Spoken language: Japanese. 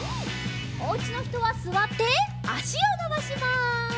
おうちのひとはすわってあしをのばします。